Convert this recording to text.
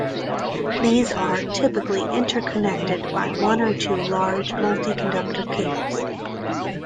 These are typically interconnected by one or two large multi-conductor cables.